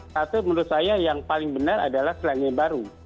satu menurut saya yang paling benar adalah selandia baru